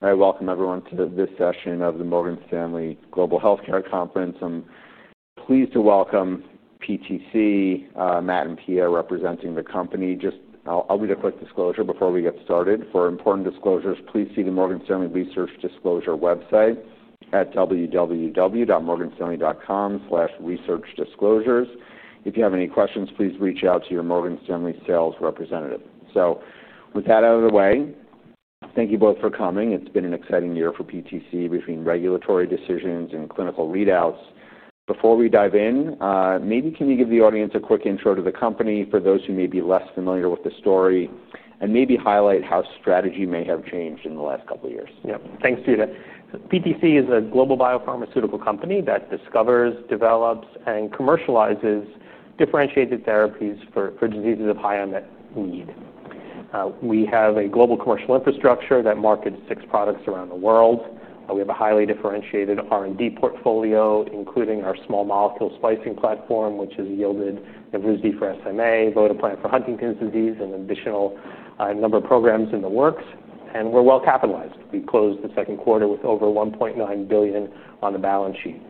Very welcome, everyone, to this session of the Morgan Stanley Global Healthcare Conference. I'm pleased to welcome PTC, Matt and Pierre, representing the company. I'll read a quick disclosure before we get started. For important disclosures, please see the Morgan Stanley Research Disclosure website at www.morganstanley.com/researchdisclosures. If you have any questions, please reach out to your Morgan Stanley sales representative. With that out of the way, thank you both for coming. It's been an exciting year for PTC between regulatory decisions and clinical readouts. Before we dive in, maybe can you give the audience a quick intro to the company for those who may be less familiar with the story and maybe highlight how strategy may have changed in the last couple of years? Yep. Thanks, Judah. PTC is a global biopharmaceutical company that discovers, develops, and commercializes differentiated therapies for diseases of high-unmet need. We have a global commercial infrastructure that markets six products around the world. We have a highly differentiated R&D portfolio, including our small molecule splicing platform, which has yielded Evrysdi for SMA, votoplam for Huntington’s disease, and an additional number of programs in the works. We’re well capitalized. We closed the second quarter with over $1.9 billion on the balance sheet.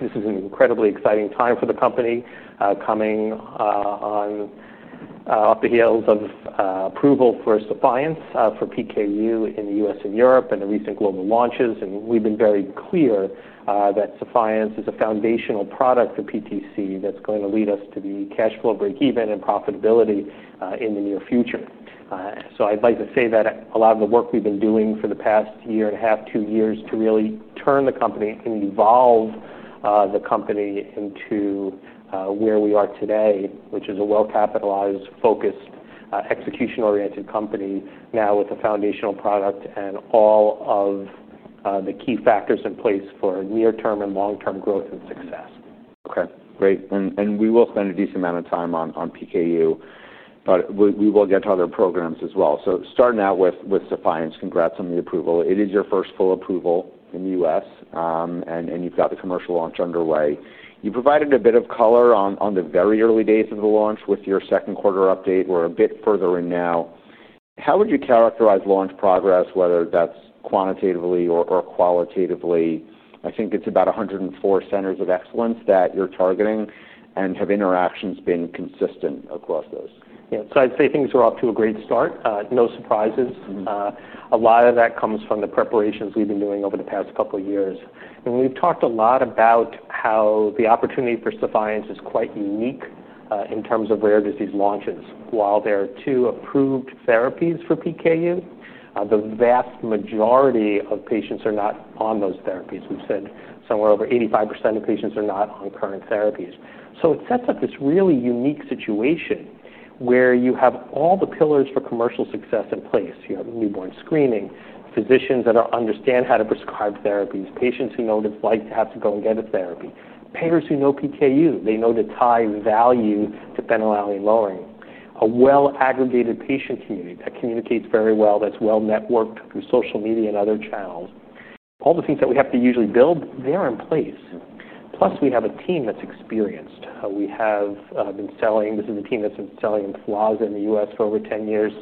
This is an incredibly exciting time for the company, coming up the heels of approval for SEPHIENCE for PKU in the U.S. and Europe and the recent global launches. We’ve been very clear that SEPHIENCE is a foundational product for PTC that’s going to lead us to cash flow breakeven and profitability in the near future. I’d like to say that a lot of the work we’ve been doing for the past year and a half, two years, to really turn the company and evolve the company into where we are today, which is a well-capitalized, focused, execution-oriented company now with a foundational product and all of the key factors in place for near-term and long-term growth and success. Okay. Great. We will spend a decent amount of time on PKU, but we will get to other programs as well. Starting out with SEPHIENCE, congrats on the approval. It is your first full approval in the U.S., and you've got the commercial launch underway. You provided a bit of color on the very early days of the launch with your second quarter update. We're a bit further in now. How would you characterize launch progress, whether that's quantitatively or qualitatively? I think it's about 104 centers of excellence that you're targeting, and have interactions been consistent across those? Yeah. I'd say things are off to a great start. No surprises. A lot of that comes from the preparations we've been doing over the past couple of years. We've talked a lot about how the opportunity for SEPHIENCE is quite unique in terms of rare disease launches. While there are two approved therapies for PKU, the vast majority of patients are not on those therapies. We've said somewhere over 85% of patients are not on current therapies. It sets up this really unique situation where you have all the pillars for commercial success in place. You have newborn screening, physicians that understand how to prescribe therapies, patients who know what it's like to have to go and get a therapy, payers who know PKU. They know to tie value to phenylalanine lowering, a well-aggregated patient community that communicates very well, that's well-networked through social media and other channels. All the things that we have to usually build, they're in place. Plus, we have a team that's experienced. We have been selling—this is a team that's been selling EMFLAZA in the U.S. for over 10 years.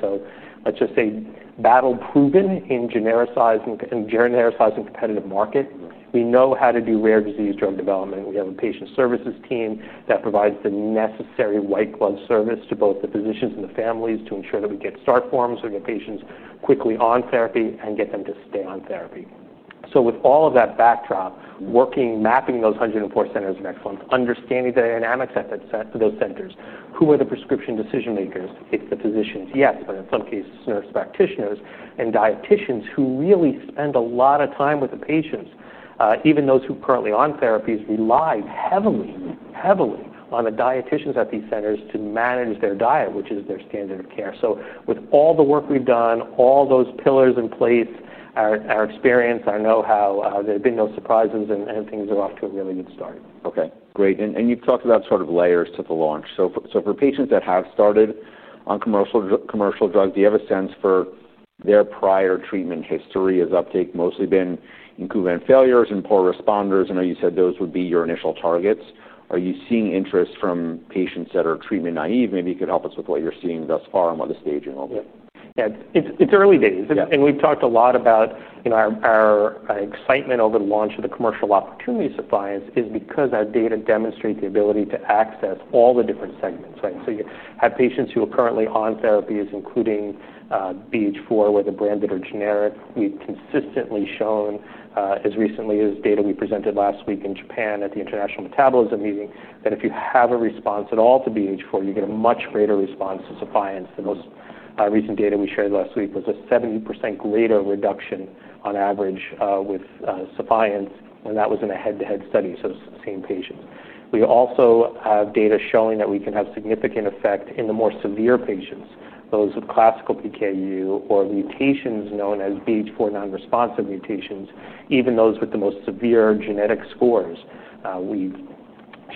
Let's just say battle-proven in genericizing a competitive market. We know how to do rare disease drug development. We have a patient services team that provides the necessary white-glove service to both the physicians and the families to ensure that we get start forms and get patients quickly on therapy and get them to stay on therapy. With all of that backdrop, working, mapping those 104 centers of excellence, understanding the dynamics that that sets for those centers, who are the prescription decision makers? It's the physicians, yes, but in some cases, nurse practitioners and dietitians who really spend a lot of time with the patients. Even those who are currently on therapies rely heavily, heavily on the dietitians at these centers to manage their diet, which is their standard of care. With all the work we've done, all those pillars in place, our experience, our know-how, there have been no surprises, and things are off to a really good start. Great. You've talked about sort of layers to the launch. For patients that have started on commercial drugs, do you have a sense for their prior treatment history? Has uptake mostly been in covent failures and poor responders? I know you said those would be your initial targets. Are you seeing interest from patients that are treatment naive? Maybe you could help us with what you're seeing thus far and what the staging will be. Yeah. It's early days. We've talked a lot about, you know, our excitement over the launch of the commercial opportunity of SEPHIENCE is because our data demonstrates the ability to access all the different segments. You have patients who are currently on therapies, including BH4, whether branded or generic. We've consistently shown, as recently as data we presented last week in Japan at the International Metabolism Meeting, that if you have a response at all to BH4, you get a much greater response to SEPHIENCE. The most recent data we shared last week was a 70% greater reduction on average with SEPHIENCE, and that was in a head-to-head study, so same patients. We also have data showing that we can have significant effect in the more severe patients, those of classical PKU or mutations known as BH4 nonresponsive mutations, even those with the most severe genetic scores. We've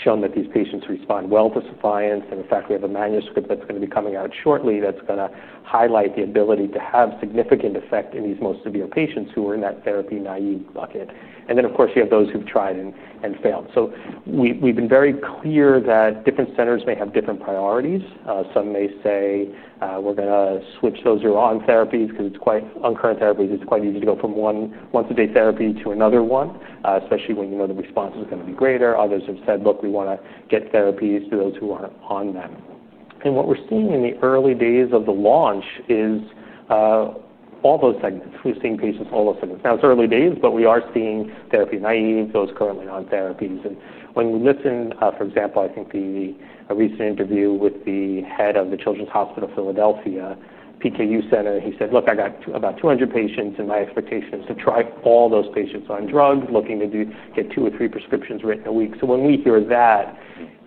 shown that these patients respond well to SEPHIENCE. In fact, we have a manuscript that's going to be coming out shortly that's going to highlight the ability to have significant effect in these most severe patients who are in that therapy naive bucket. Of course, you have those who've tried and failed. We've been very clear that different centers may have different priorities. Some may say, "We're going to switch those who are on therapies because it's quite on current therapies, it's quite easy to go from one once-a-day therapy to another one, especially when you know the response is going to be greater." Others have said, "Look, we want to get therapies to those who want to on them." What we're seeing in the early days of the launch is all those segments. We're seeing patients in all those segments. Now it's early days, but we are seeing therapy naive, those currently on therapies. When we listen, for example, I think the recent interview with the head of the Children's Hospital of Philadelphia PKU Center, he said, "Look, I got about 200 patients, and my expectation is to try all those patients on drugs, looking to get two or three prescriptions written a week." When we hear that,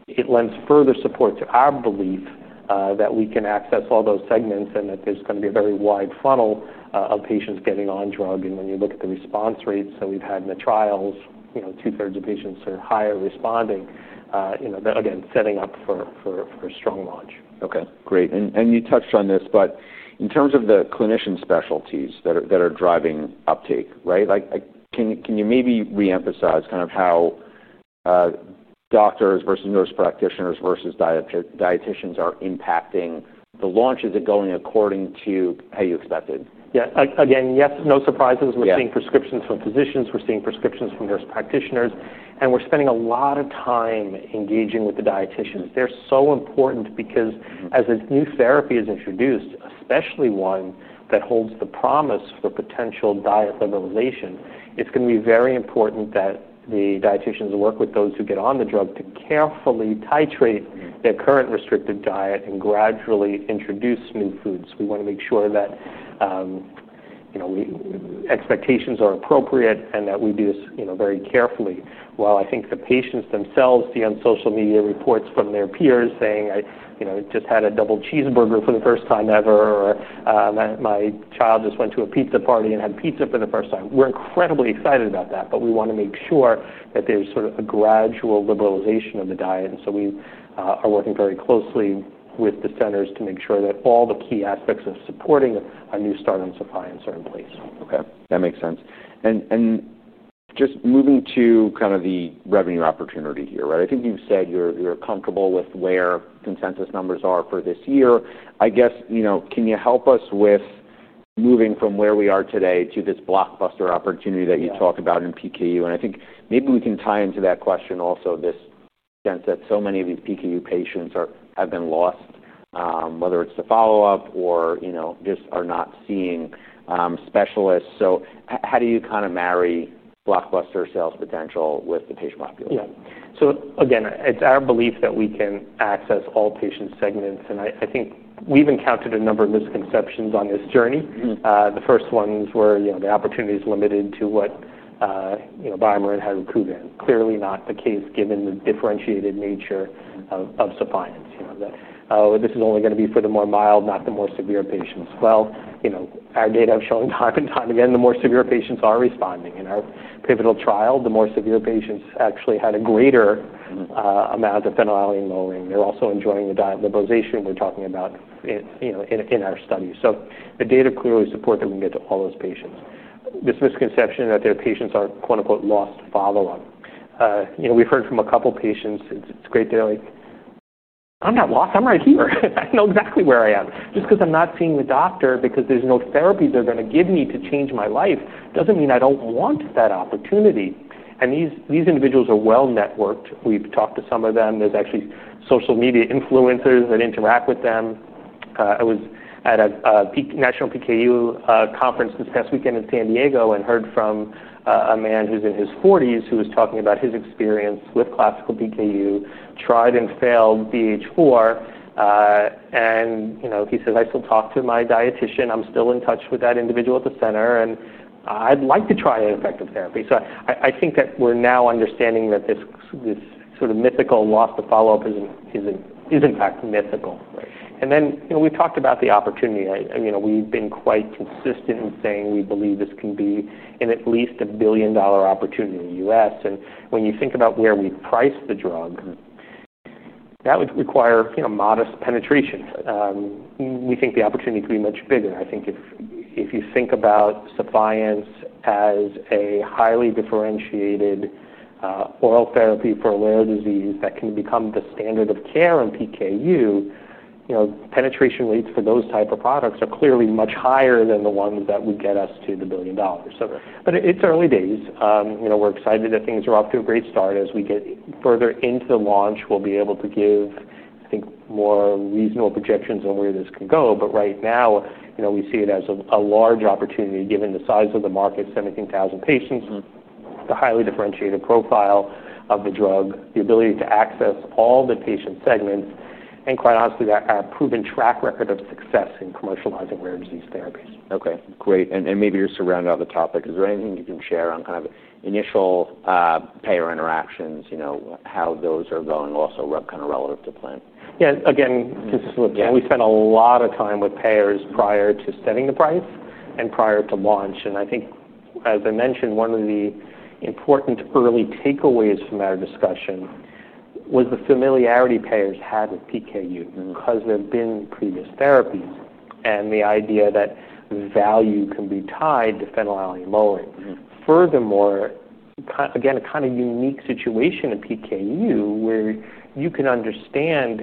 it lends further support to our belief that we can access all those segments and that there's going to be a very wide funnel of patients getting on drug. When you look at the response rates, we've had in the trials, you know, 2/3 of patients or higher responding, you know, again, setting up for a strong launch. Okay. Great. You touched on this, but in terms of the clinician specialties that are driving uptake, right? Can you maybe reemphasize kind of how doctors versus nurse practitioners versus dietitians are impacting the launch? Is it going according to how you expected? Yeah. Again, yes, no surprises. We're seeing prescriptions from physicians, we're seeing prescriptions from nurse practitioners, and we're spending a lot of time engaging with the dietitians. They're so important because as a new therapy is introduced, especially one that holds the promise for potential diet liberalization, it's going to be very important that the dietitians work with those who get on the drug to carefully titrate their current restrictive diet and gradually introduce smooth foods. We want to make sure that expectations are appropriate and that we do this very carefully. While I think the patients themselves see on social media reports from their peers saying, "I just had a double cheeseburger for the first time ever," or, "My child just went to a pizza party and had pizza for the first time," we're incredibly excited about that. We want to make sure that there's sort of a gradual liberalization of the diet. We are working very closely with the centers to make sure that all the key aspects of supporting a new start on supply and certain places. Okay. That makes sense. Just moving to kind of the revenue opportunity here, right? I think you've said you're comfortable with where consensus numbers are for this year. I guess, you know, can you help us with moving from where we are today to this blockbuster opportunity that you talk about in PKU? I think maybe we can tie into that question also this sense that so many of these PKU patients have been lost, whether it's the follow-up or, you know, just are not seeing specialists. How do you kind of marry blockbuster sales potential with the patient population? Yeah. So again, it's our belief that we can access all patient segments. I think we've encountered a number of misconceptions on this journey. The first ones were, you know, the opportunity is limited to what, you know, biomarker has a covan. Clearly not the case given the differentiated nature of SEPHIENCE. You know, that, oh, this is only going to be for the more mild, not the more severe patients. Our data have shown time and time again, the more severe patients are responding. In our pivotal trial, the more severe patients actually had a greater amount of phenylalanine lowering. They're also enjoying the diet liberalization we're talking about, you know, in our study. The data clearly support that we can get to all those patients. This misconception that there are patients, "lost to follow-up." We've heard from a couple of patients, it's great they're like, "I'm not lost. I'm right here. I know exactly where I am. Just because I'm not seeing the doctor because there's no therapy they're going to give me to change my life doesn't mean I don't want that opportunity." These individuals are well-networked. We've talked to some of them. There are actually social media influencers that interact with them. I was at a National PKU conference this past weekend in San Diego and heard from a man who's in his 40s who was talking about his experience with classical PKU, tried and failed BH4. He says, "I still talk to my dietitian. I'm still in touch with that individual at the center. I'd like to try an effective therapy." I think that we're now understanding that this sort of mythical lost to follow-up is, in fact, mythical. We've talked about the opportunity. We've been quite consistent in saying we believe this can be at least a billion-dollar opportunity in the U.S. When you think about where we price the drug, that would require modest penetration. We think the opportunity could be much bigger. I think if you think about SEPHIENCE as a highly differentiated oral therapy for rare disease that can become the standard of care in PKU, penetration rates for those types of products are clearly much higher than the ones that would get us to the $1 billion. It's early days. We're excited that things are off to a great start. As we get further into the launch, we'll be able to give, I think, more reasonable projections on where this can go. Right now, we see it as a large opportunity given the size of the market, 17,000 patients, the highly differentiated profile of the drug, the ability to access all the patient segments, and quite honestly, that proven track record of success in commercializing rare disease therapies. Okay. Great. Maybe you're surrounded on the topic. Is there anything you can share on kind of initial payer interactions, you know, how those are going also kind of relative to plan? Yeah. Again, we spent a lot of time with payers prior to setting the price and prior to launch. I think, as I mentioned, one of the important early takeaways from our discussion was the familiarity payers had with PKU because they've been in previous therapies and the idea that value can be tied to phenylketonuria management. Furthermore, again, a kind of unique situation in PKU where you can understand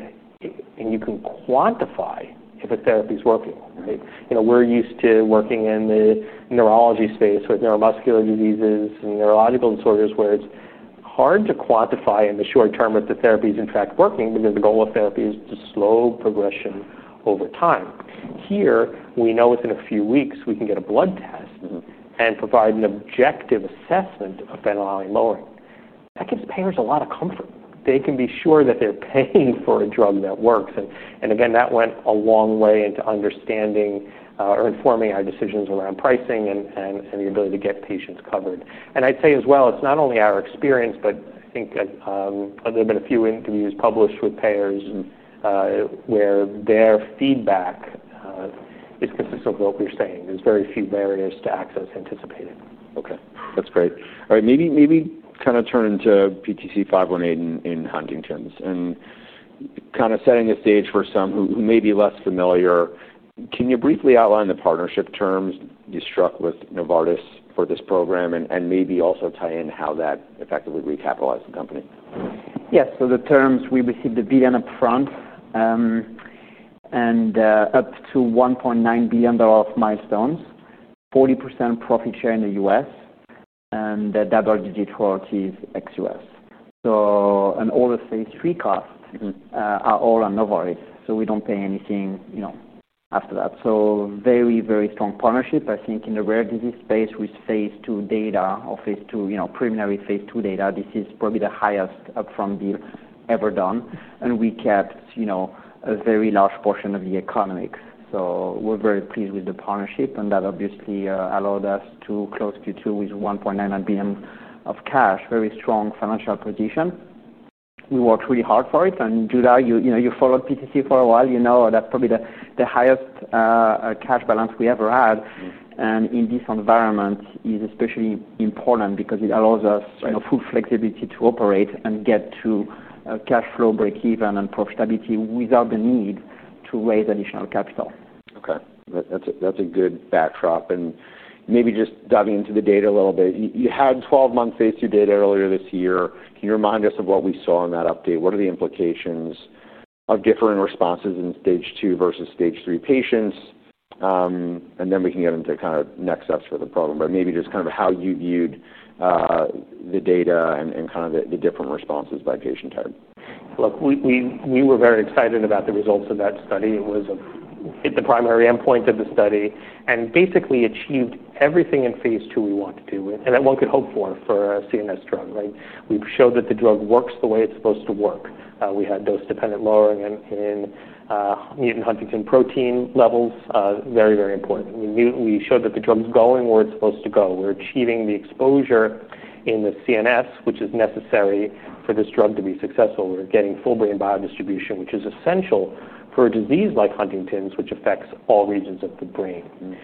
and you can quantify if a therapy is working, right? You know, we're used to working in the neurology space with neuromuscular diseases and neurological disorders where it's hard to quantify in the short term if the therapy is, in fact, working because the goal of therapy is to slow progression over time. Here, we know within a few weeks, we can get a blood test and provide an objective assessment of phenylketonuria management. That gives payers a lot of comfort. They can be sure that they're paying for a drug that works. That went a long way into understanding or informing our decisions around pricing and the ability to get patients covered. I'd say as well, it's not only our experience, but I think there have been a few interviews published with payers where their feedback is consistent with what we're saying. There's very few barriers to access anticipated. Okay. That's great. All right. Maybe kind of turn to PTC518 in Huntington's and kind of setting the stage for some who may be less familiar. Can you briefly outline the partnership terms you struck with Novartis for this program and maybe also tie in how that effectively recapitalized the company? Yeah. The terms, we received $1 billion upfront and up to $1.9 billion in milestones, 40% profit share in the U.S., and the double-digit royalty is ex-U.S. All the phase III costs are all on Novartis. We don't pay anything after that. Very, very strong partnership. I think in the rare disease space, with phase II data or phase II, you know, preliminary phase II data, this is probably the highest upfront deal ever done. We kept a very large portion of the economics. We're very pleased with the partnership. That obviously allowed us to close Q2 with $1.9 billion of cash, very strong financial position. We worked really hard for it. Judah, you followed PTC for a while. You know that's probably the highest cash balance we ever had. In this environment, it is especially important because it allows us full flexibility to operate and get to cash flow breakeven and profitability without the need to raise additional capital. Okay. That's a good backdrop. Maybe just diving into the data a little bit. You had 12-month phase II data earlier this year. Can you remind us of what we saw in that update? What are the implications of different responses in stage 2 versus stage 3 patients? We can get into next steps for the program, but maybe just how you viewed the data and the different responses by patient type. Look, we were very excited about the results of that study. It was the primary endpoint of the study and basically achieved everything in phase II we want to do with and that one could hope for for a CNS drug, right? We've showed that the drug works the way it's supposed to work. We had dose-dependent lowering in mutant huntingtin protein levels, very, very important. We showed that the drug's going where it's supposed to go. We're achieving the exposure in the CNS, which is necessary for this drug to be successful. We're getting full brain biodistribution, which is essential for a disease like Huntington's, which affects all regions of the brain.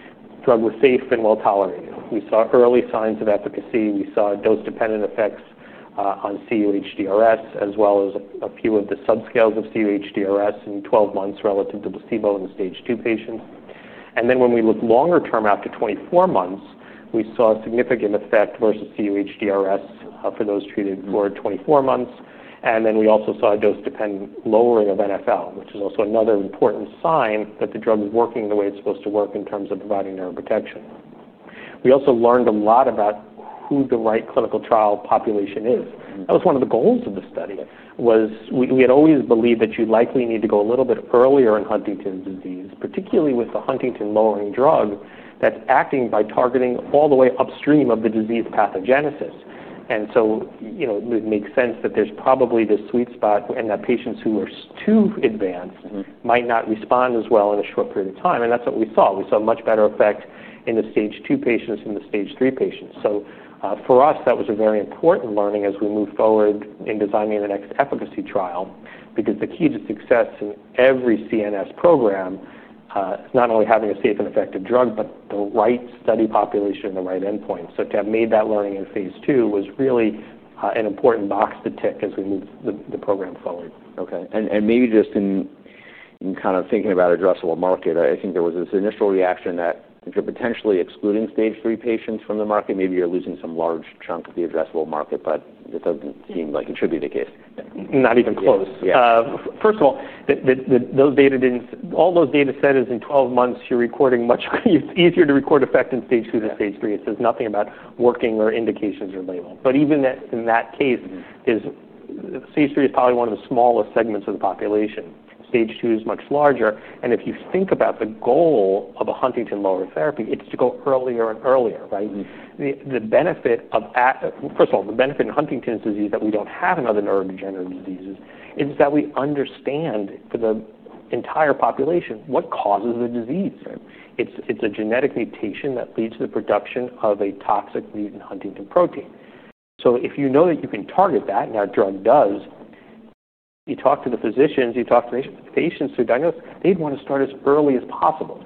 Drug was safe and well tolerated. We saw early signs of efficacy. We saw dose-dependent effects on cUHDRS, as well as a few of the subscales of cUHDRS in 12 months relative to placebo in the stage 2 patients. When we looked longer term out to 24 months, we saw a significant effect versus cUHDRS for those treated for 24 months. We also saw a dose-dependent lowering of NFL, which is also another important sign that the drug is working the way it's supposed to work in terms of providing neuroprotection. We also learned a lot about who the right clinical trial population is. That was one of the goals of the study. We had always believed that you likely need to go a little bit earlier in Huntington's disease, particularly with the huntingtin lowering drug that's acting by targeting all the way upstream of the disease pathogenesis. It would make sense that there's probably this sweet spot and that patients who are too advanced might not respond as well in a short period of time. That's what we saw. We saw a much better effect in the stage 2 patients than the stage 3 patients. For us, that was a very important learning as we move forward in designing the next efficacy trial because the key to success in every CNS program is not only having a safe and effective drug, but the right study population and the right endpoint. To have made that learning in phase II was really an important box to tick as we move the program forward. Okay. Maybe just in kind of thinking about addressable market, I think there was this initial reaction that you're potentially excluding stage 3 patients from the market. Maybe you're losing some large chunk of the addressable market, but it doesn't seem like it should be the case. Not even close. First of all, those data didn't, all those data sets are in 12 months, you're recording much, it's easier to record effect in stage 2 than stage 3. It says nothing about working or indications or label. Even in that case, stage 3 is probably one of the smallest segments of the population. Stage 2 is much larger. If you think about the goal of a Huntington's lower therapy, it's to go earlier and earlier, right? The benefit of, first of all, the benefit in Huntington's disease that we don't have in other neurodegenerative diseases is that we understand for the entire population what causes the disease, right? It's a genetic mutation that leads to the production of a toxic mutant huntingtin protein. If you know that you can target that, and our drug does, you talk to the physicians, you talk to patients who diagnose it, they'd want to start as early as possible.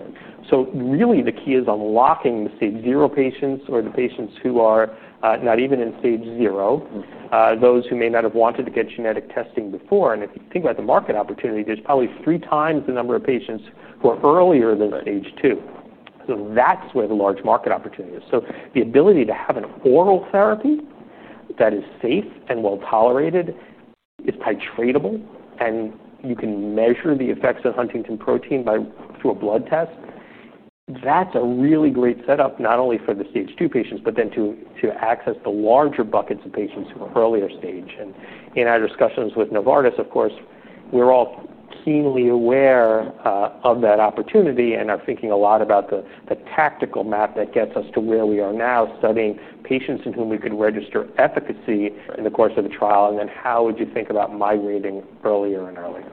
Really, the key is unlocking the stage zero patients or the patients who are not even in stage zero, those who may not have wanted to get genetic testing before. If you think about the market opportunity, there's probably 3x the number of patients who are earlier than at stage 2. That's where the large market opportunity is. The ability to have an oral therapy that is safe and well tolerated, it's titratable, and you can measure the effects of huntingtin protein through a blood test, that's a really great setup not only for the stage 2 patients, but then to access the larger buckets of patients who are earlier stage. In our discussions with Novartis, of course, we're all keenly aware of that opportunity and are thinking a lot about the tactical map that gets us to where we are now, studying patients in whom we could register efficacy in the course of the trial, and then how would you think about migrating earlier and earlier.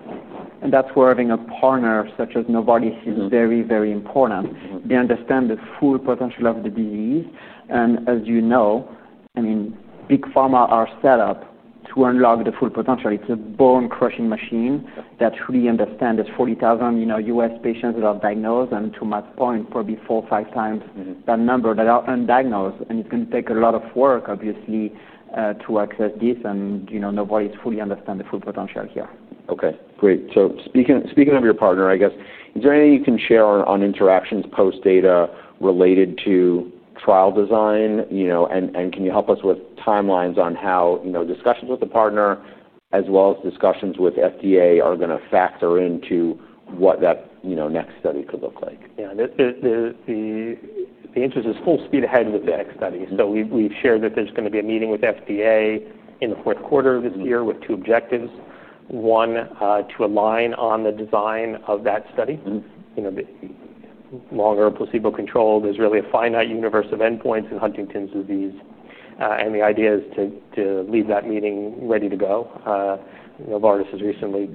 That's where having a partner such as Novartis is very, very important. They understand the full potential of the disease. Big pharma are set up to unlock the full potential. It's a bone-crushing machine that truly understands 40,000 U.S. patients that are diagnosed, and to Matt's point, probably 4x or 5x that number that are undiagnosed. It's going to take a lot of work, obviously, to access this. Novartis fully understands the full potential here. Great. Speaking of your partner, is there anything you can share on interactions post-data related to trial design? Can you help us with timelines on how discussions with the partner, as well as discussions with the FDA, are going to factor into what that next study could look like? Yeah. The answer is it's full speed ahead with the next study. We've shared that there's going to be a meeting with the FDA in the fourth quarter of this year with two objectives. One, to align on the design of that study. You know, longer placebo control, there's really a finite universe of endpoints in Huntington's disease. The idea is to leave that meeting ready to go. Novartis has recently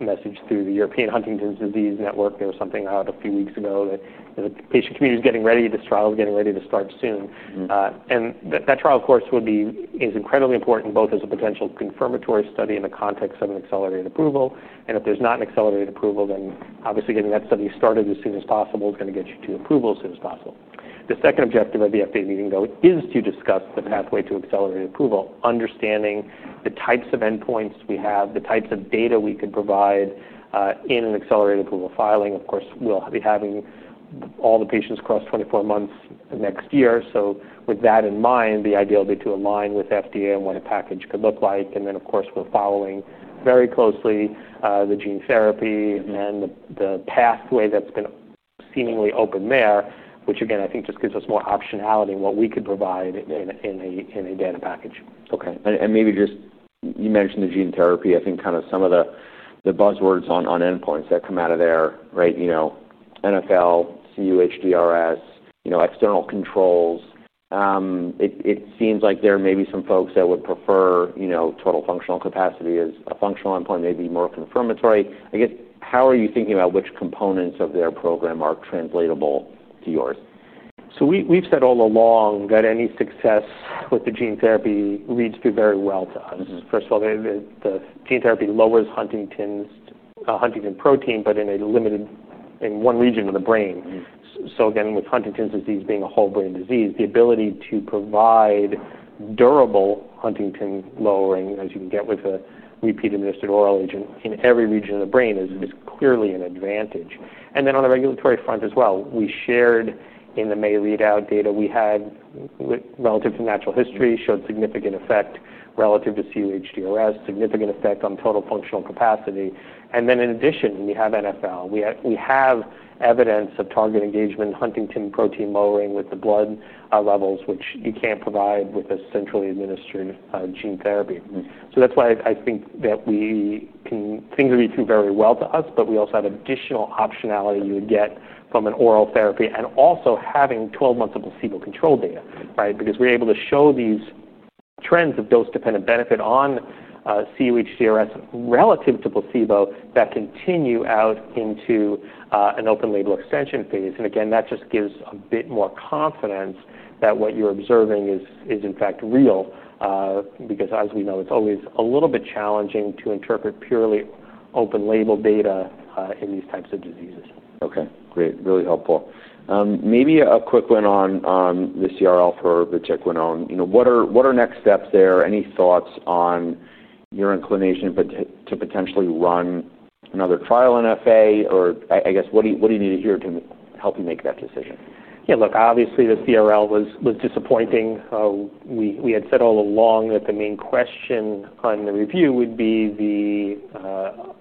messaged through the European Huntington's Disease Network. There was something out a few weeks ago that the patient community is getting ready. This trial is getting ready to start soon. That trial, of course, is incredibly important both as a potential confirmatory study in the context of an accelerated approval. If there's not an accelerated approval, then obviously getting that study started as soon as possible is going to get you to approval as soon as possible. The second objective of the update meeting is to discuss the pathway to accelerated approval, understanding the types of endpoints we have, the types of data we could provide in an accelerated approval filing. Of course, we'll be having all the patients across 24 months next year. With that in mind, the idea will be to align with the FDA on what a package could look like. We're following very closely the gene therapy and the pathway that's been seemingly open there, which I think just gives us more optionality in what we could provide in a data package. Okay. You mentioned the gene therapy. I think some of the buzzwords on endpoints that come out of there, right? You know, NFL, cUHDRS, external controls. It seems like there may be some folks that would prefer, you know, total functional capacity as a functional endpoint, maybe more confirmatory. I guess, how are you thinking about which components of their program are translatable to yours? We've said all along that any success with the gene therapy reads through very well to us. First of all, the gene therapy lowers huntingtin protein, but in a limited, in one region of the brain. With Huntington’s disease being a whole brain disease, the ability to provide durable huntingtin lowering, as you can get with a repeat-administered oral agent in every region of the brain, is clearly an advantage. On the regulatory front as well, we shared in the May lead-out data, we had relative to natural history showed significant effect relative to cUHDRS, significant effect on total functional capacity. In addition, you have NFL. We have evidence of target engagement in huntingtin protein lowering with the blood levels, which you can't provide with a centrally- administered gene therapy. That's why I think that things read through very well to us, but we also have additional optionality you would get from an oral therapy and also having 12-month of placebo control data, right? We're able to show these trends of dose-dependent benefit on cUHDRS relative to placebo that continue out into an open label extension phase. That just gives a bit more confidence that what you're observing is, in fact, real, because as we know, it's always a little bit challenging to interpret purely open label data in these types of diseases. Okay. Great. Really helpful. Maybe a quick one on the CRL for the vatiquinone. What are next steps there? Any thoughts on your inclination to potentially run another trial on FA? What do you need to hear to help you make that decision? Yeah. Look, obviously, the CRL was disappointing. We had said all along that the main question on the review would be the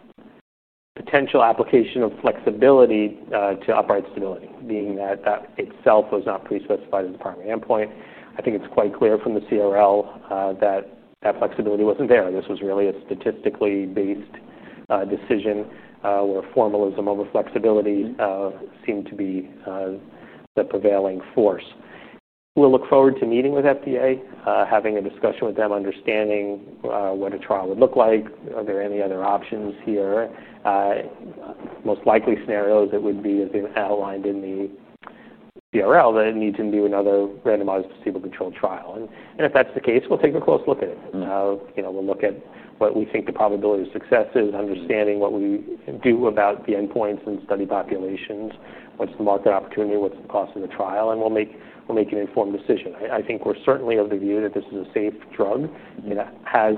potential application of flexibility to upright stability, being that that itself was not pre-specified as the primary endpoint. I think it's quite clear from the CRL that that flexibility wasn't there. This was really a statistically- based decision where formalism over flexibility seemed to be the prevailing force. We look forward to meeting with the FDA, having a discussion with them, understanding what a trial would look like. Are there any other options here? The most likely scenario would be as we've outlined in the CRL, that it needs to be another randomized placebo-controlled trial. If that's the case, we'll take a close look at it. We'll look at what we think the probability of success is, understanding what we do about the endpoints and study populations, what's the market opportunity, what's the cost of the trial, and we'll make an informed decision. I think we're certainly of the view that this is a safe drug. It has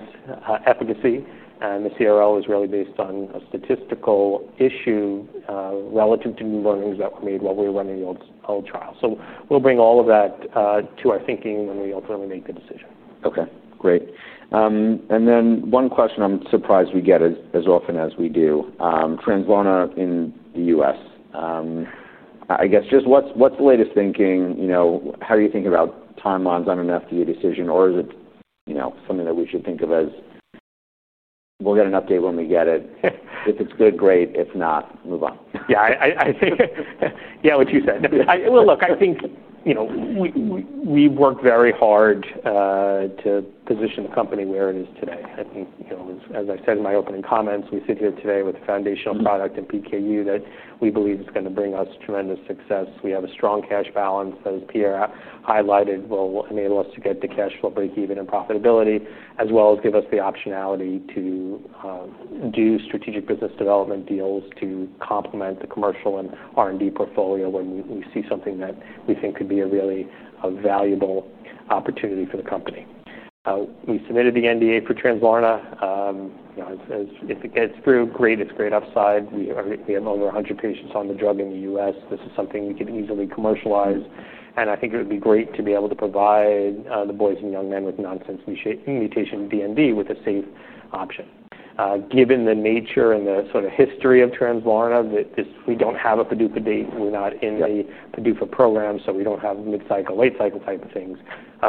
efficacy, and the CRL is really based on a statistical issue relative to new learnings that were made while we were running the old trial. We'll bring all of that to our thinking when we ultimately make the decision. Okay. Great. One question I'm surprised we get as often as we do. Translarna in the U.S. I guess, just what's the latest thinking? You know, how do you think about timelines on an FDA decision, or is it something that we should think of as we'll get an update when we get it? If it's good, great. If not, move on. Yeah. I think what you said. Look, I think we've worked very hard to position the company where it is today. I think, as I said in my opening comments, we sit here today with a foundational product in PKU that we believe is going to bring us tremendous success. We have a strong cash balance that Pierre highlighted will enable us to get to cash flow breakeven and profitability, as well as give us the optionality to do strategic business development deals to complement the commercial and R&D portfolio when we see something that we think could be a really valuable opportunity for the company. We submitted the NDA for Translarna. It's great. It's great upside. We have over 100 patients on the drug in the U.S. This is something we can easily commercialize. I think it would be great to be able to provide the boys and young men with nonsense mutation DMD with a safe option. Given the nature and the sort of history of Translarna, we don't have a PDUFA date. We're not in the PDUFA program, so we don't have mid-cycle, late-cycle type of things.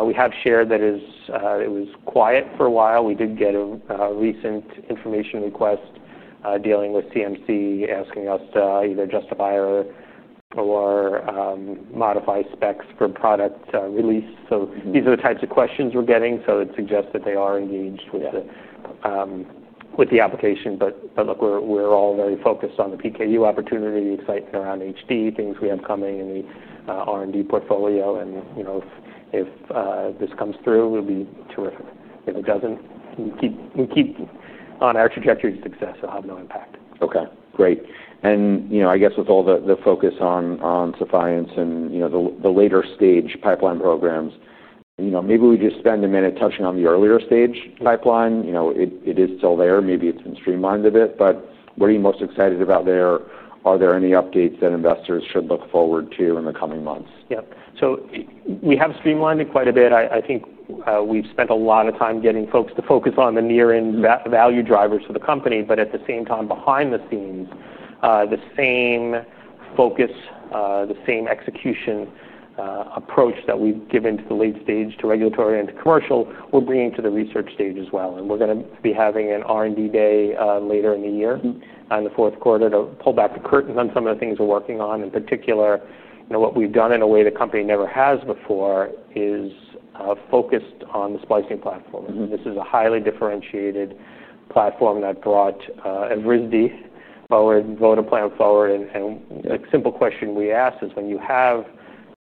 We have shared that it was quiet for a while. We did get a recent information request dealing with CMC asking us to either justify or modify specs for product release. These are the types of questions we're getting. It suggests that they are engaged with the application. We're all very focused on the PKU opportunity, the excitement around HD, things we have coming in the R&D portfolio. If this comes through, it'll be terrific. If it doesn't, we keep on our trajectory to success. It'll have no impact. Okay. Great. With all the focus on SEPHIENCE and the later stage pipeline programs, maybe we just spend a minute touching on the earlier stage pipeline. It is still there. Maybe it's been streamlined a bit, but what are you most excited about there? Are there any updates that investors should look forward to in the coming months? Yep. We have streamlined it quite a bit. I think we've spent a lot of time getting folks to focus on the near-end value drivers for the company, but at the same time, behind the scenes, the same focus, the same execution approach that we've given to the late stage, to regulatory, and to commercial, we're bringing to the research stage as well. We're going to be having an R&D day later in the year in the fourth quarter to pull back the curtains on some of the things we're working on. In particular, what we've done in a way the company never has before is focused on the splicing platform. This is a highly differentiated platform that brought Evrysdi forward, votoplam forward. A simple question we ask is when you have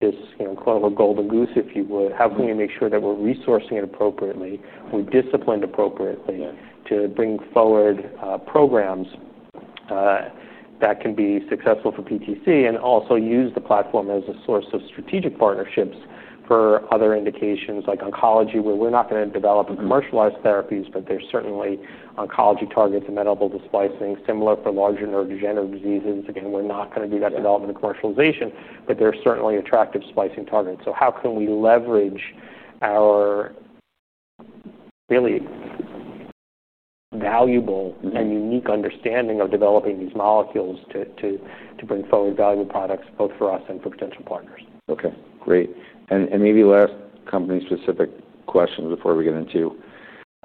this, you know, "golden goose," if you would, how can you make sure that we're resourcing it appropriately, we're disciplined appropriately to bring forward programs that can be successful for PTC and also use the platform as a source of strategic partnerships for other indications like oncology, where we're not going to develop and commercialize therapies, but there's certainly oncology targets amenable to splicing, similar for larger neurodegenerative diseases. We're not going to do that development or commercialization, but there's certainly attractive splicing targets. How can we leverage our really valuable and unique understanding of developing these molecules to bring forward valuable products both for us and for potential partners? Okay. Great. Maybe last company-specific questions before we get into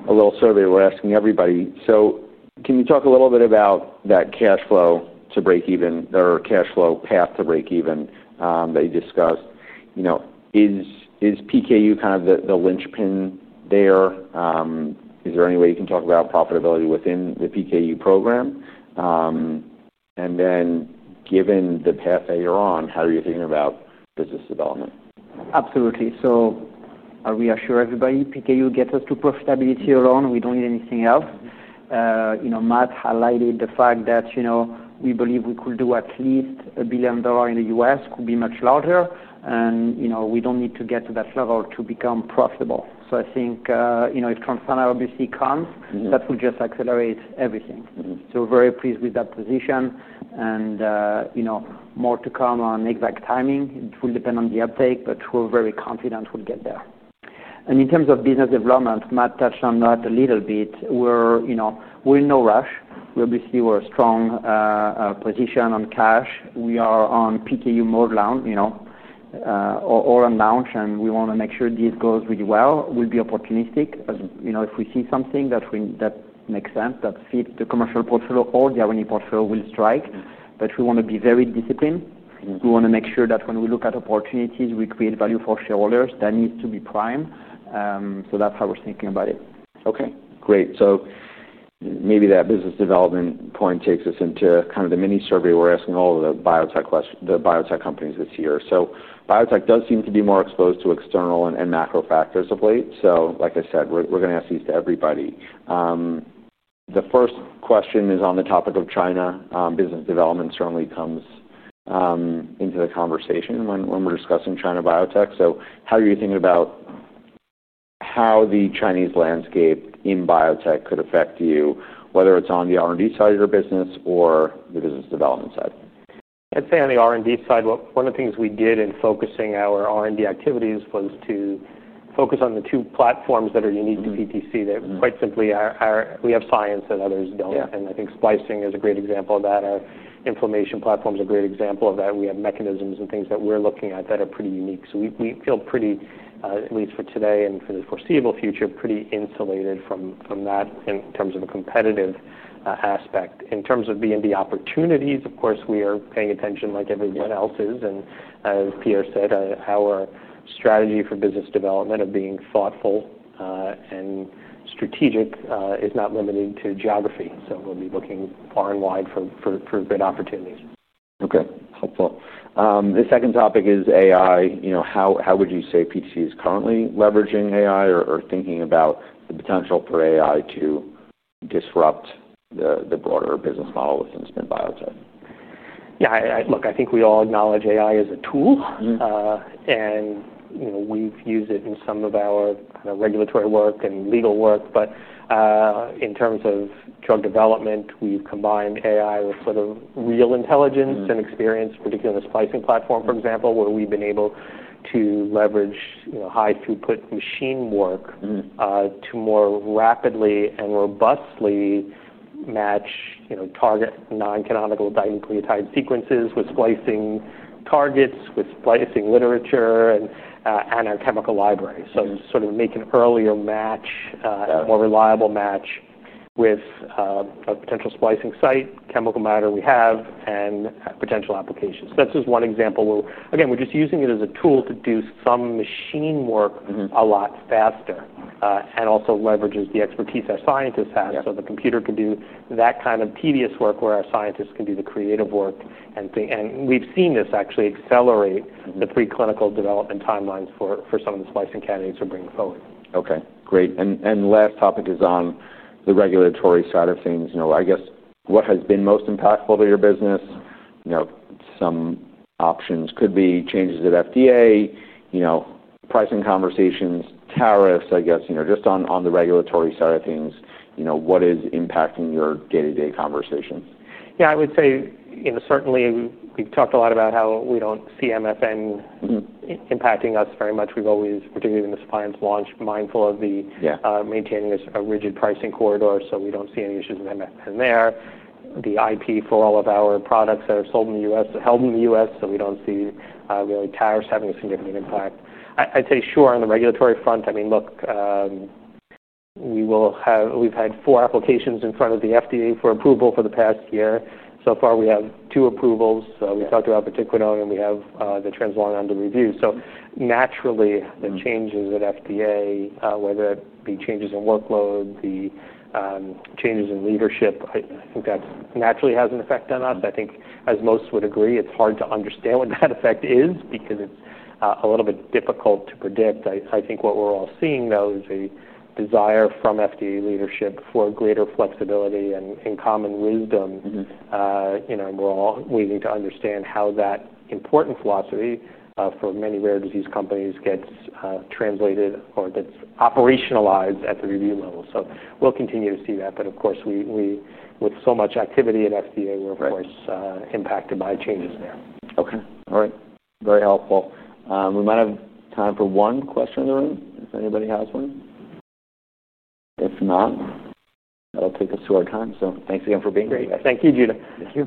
a little survey we're asking everybody. Can you talk a little bit about that cash flow to breakeven or cash flow path to breakeven that you discussed? Is PKU kind of the linchpin there? Is there any way you can talk about profitability within the PKU program? Given the path that you're on, how are you thinking about business development? Absolutely. We assure everybody, PKU gets us to profitability alone. We don't need anything else. Matt highlighted the fact that we believe we could do at least $1 billion in the U.S. It could be much larger, and we don't need to get to that level to become profitable. I think if Translarna obviously comes, that will just accelerate everything. We are very pleased with that position. More to come on exact timing. It will depend on the uptake, but we're very confident we'll get there. In terms of business development, Matt touched on that a little bit. We're in no rush. We obviously are in a strong position on cash. We are on PKU mode launch, or on launch, and we want to make sure this goes really well. We'll be opportunistic. If we see something that makes sense, that fits the commercial portfolio or the R&D portfolio, we'll strike. We want to be very disciplined. We want to make sure that when we look at opportunities, we create value for shareholders. That needs to be prime. That's how we're thinking about it. Okay. Great. Maybe that business development point takes us into kind of the mini survey we're asking all of the biotech companies this year. Biotech does seem to be more exposed to external and macro factors of late. Like I said, we're going to ask these to everybody. The first question is on the topic of China. Business development certainly comes into the conversation when we're discussing China biotech. How are you thinking about how the Chinese landscape in biotech could affect you, whether it's on the R&D side of your business or the business development side? I'd say on the R&D side, one of the things we did in focusing our R&D activities was to focus on the two platforms that are unique to PTC. Quite simply, we have science that others don't. I think splicing is a great example of that. Our inflammation platform is a great example of that. We have mechanisms and things that we're looking at that are pretty unique. We feel pretty, at least for today and for the foreseeable future, pretty insulated from that in terms of a competitive aspect. In terms of B&B opportunities, of course, we are paying attention like everyone else is. As Pierre said, our strategy for business development of being thoughtful and strategic is not limited to geography. We'll be looking far and wide for improvement opportunities. Okay. Helpful. The second topic is AI. How would you say PTC is currently leveraging AI or thinking about the potential for AI to disrupt the broader business model within biotech? Yeah. Look, I think we all acknowledge AI as a tool. We've used it in some of our kind of regulatory work and legal work. In terms of drug development, we've combined AI with sort of real intelligence and experience, particularly in the splicing platform, for example, where we've been able to leverage high throughput machine work to more rapidly and robustly match target non-canonical diamine-polyetide sequences with splicing targets, with splicing literature, and our chemical library. We sort of make an earlier match, a more reliable match with a potential splicing site, chemical matter we have, and potential applications. That's just one example. We're just using it as a tool to do some machine work a lot faster and also leverages the expertise our scientists have. The computer could do that kind of tedious work where our scientists can do the creative work. We've seen this actually accelerate the pre- clinical development timelines for some of the splicing candidates we're bringing forward. Great. Last topic is on the regulatory side of things. What has been most impactful to your business? Some options could be changes at the FDA, pricing conversations, tariffs. Just on the regulatory side of things, what is impacting your day-to-day conversations? Yeah. I would say, you know, certainly, we've talked a lot about how we don't see MFN impacting us very much. We've always, particularly in the SEPHIENCE launch, been mindful of maintaining a rigid pricing corridor, so we don't see any issues with MFN there. The IP for all of our products that are sold in the U.S. is held in the U.S., so we don't see really tariffs having a significant impact. I'd say sure on the regulatory front. I mean, look, we've had four applications in front of the FDA for approval for the past year. So far, we have two approvals. We talked about vatiquinone, and we have Translarna under review. Naturally, the changes at FDA, whether it be changes in workload or changes in leadership, I think that naturally has an effect on us. I think, as most would agree, it's hard to understand what that effect is because it's a little bit difficult to predict. I think what we're all seeing, though, is a desire from FDA leadership for greater flexibility and common wisdom, you know, and we need to understand how that important philosophy for many rare disease companies gets translated or gets operationalized at the review level. We'll continue to see that. Of course, with so much activity in FDA, we're, of course, impacted by changes there. Okay. All right. Very helpful. We might have time for one question in the room if anybody has one. If not, that will take us to our time. Thanks again for being here. Great. Thank you, Judah. Thank you.